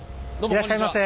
いらっしゃいませ。